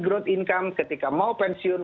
growth income ketika mau pensiun